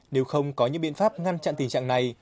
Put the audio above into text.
nếu không có những biện pháp ngăn chặn tình trạng này